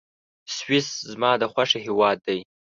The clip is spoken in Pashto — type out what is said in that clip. سویس زما د خوښي هېواد دی.